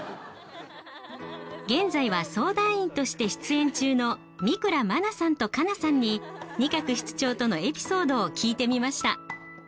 現在は相談員として出演中の三倉茉奈さんと佳奈さんに仁鶴室長とのエピソードを聞いてみました。